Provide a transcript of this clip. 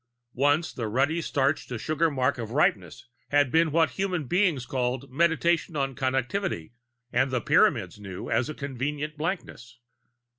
Once the ruddy starch to sugar mark of ripeness had been what human beings called Meditation on Connectivity and the Pyramids knew as a convenient blankness.